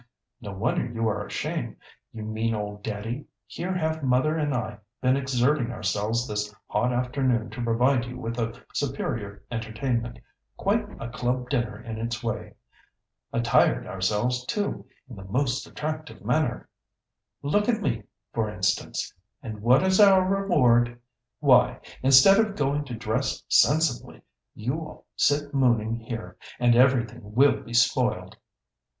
"No wonder you are ashamed, you mean old daddy! Here have mother and I been exerting ourselves this hot afternoon to provide you with a superior entertainment, quite a club dinner in its way; attired ourselves, too, in the most attractive manner—look at me, for instance—and what is our reward? Why, instead of going to dress sensibly, you sit mooning here, and everything will be spoiled."